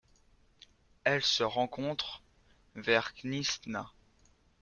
Elle se rencontre vers Knysna.